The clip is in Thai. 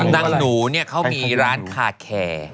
นางหนูเนี่ยเขามีร้านคาแคร์